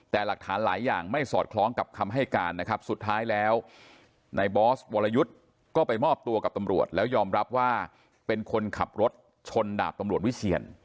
แต่หลักฐานหลายอย่างไม่สอดคล้องกับคำให้การนะครับสุดท้ายแล้วในบอสวรยุทธ์ก็ไปมอบตัวกับตำรวจแล้วยอมรับว่าเป็นคนขับรถชนดาบตำรวจวิเชียน